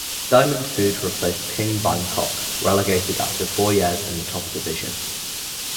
Diamond Food replaced King Bangkok (relegated after four years in the top division).